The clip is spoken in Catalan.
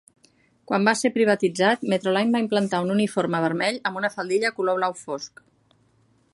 Quan va ser privatitzat, Metroline va implantar un uniforme vermell amb una faldilla color blau fosc.